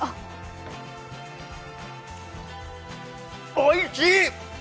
おいしい！